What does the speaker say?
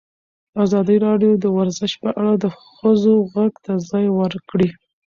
ازادي راډیو د ورزش په اړه د ښځو غږ ته ځای ورکړی.